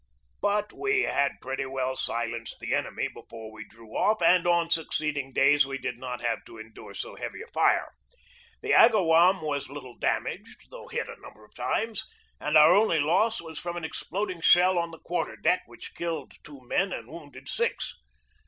But we had pretty well silenced the enemy before we drew off, and on succeeding days we did not have to endure so heavy a fire. The Agawam was little damaged, though hit a number of times, and our only loss was from an exploding shell on the quarter deck which killed two men and wounded six.